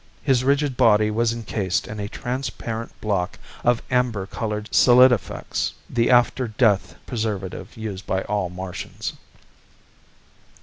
His rigid body was encased in a transparent block of amber colored solidifex, the after death preservative used by all Martians.